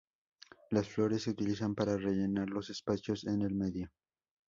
Las flores se utilizan para rellenar los espacios en el medio.